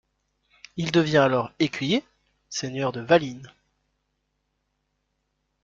Il devient alors écuyer, seigneur de Valines.